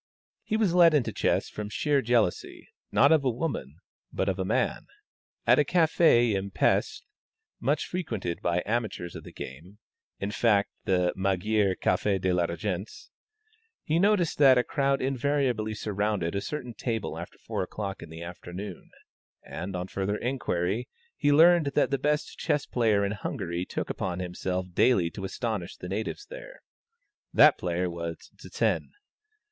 He was led into chess from sheer jealousy, not of woman, but of a man. At a café in Pesth, much frequented by amateurs of the game, in fact the Magyar Café de la Régence, he noticed that a crowd invariably surrounded a certain table after 4 o'clock in the afternoon; and, on further inquiry, he learned that the best chess player in Hungary took upon himself daily to astonish the natives there. That player was Zsen.